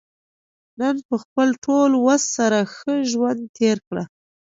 نن په خپل ټول وس سره ښه ژوند تېر کړه.